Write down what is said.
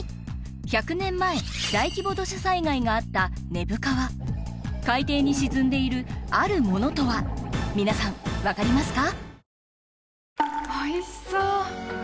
１００年前大規模土砂災害があった根府川海底に沈んでいるあるものとは皆さん分かりますか？